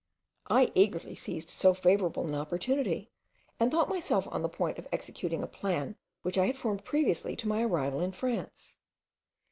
I eagerly seized so favourable an opportunity, and thought myself on the point of executing a plan which I had formed previously to my arrival in France.